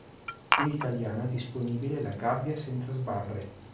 In italiano è disponibile "La gabbia senza sbarre.